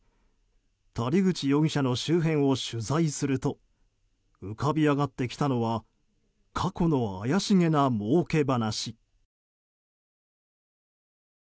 谷口容疑者の周辺を取材すると浮かび上がってきたのは過去の怪しげなもうけ話。